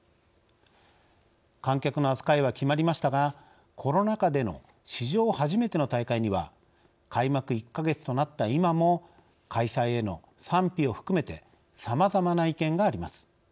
観客の扱いは決まりましたがコロナ禍での史上初めての大会には開幕１か月となった今も開催への賛否を含めてさまざまな意見があります。